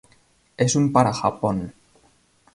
Es un para Japón.